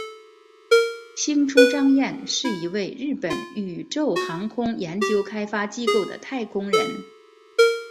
星出彰彦是一位日本宇宙航空研究开发机构的太空人。